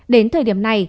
đến thời điểm này